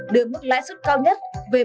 đưa mức lãi xuất cao nhất